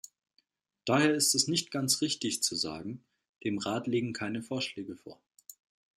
Daher ist es nicht ganz richtig, zu sagen, dem Rat lägen keine Vorschläge vor.